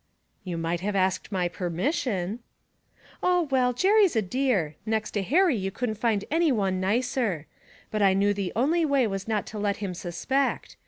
'You might have asked my permission.' 'Oh, well, Jerry's a dear; next to Harry you couldn't find any one nicer. But I knew the only way was not to let him suspect.